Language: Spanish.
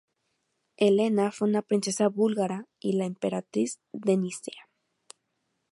Helena fue una princesa búlgara y la emperatriz de Nicea.